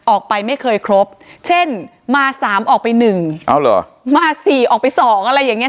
ออกไปไม่เคยครบเช่นมาสามออกไปหนึ่งเอาเหรอมาสี่ออกไปสองอะไรอย่างเงี้